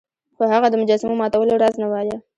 خو هغه د مجسمو ماتولو راز نه وایه.